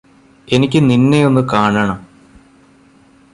എനിക്ക് നിന്നെയൊന്ന് കാണണം